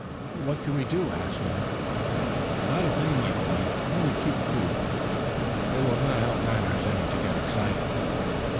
"What can we do?" asked Ned. "Not a thing, my boy, only keep cool. It will not help matters any to get excited."